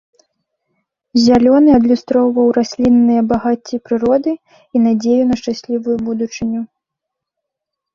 Зялёны адлюстроўваў раслінныя багацці прыроды і надзею на шчаслівую будучыню.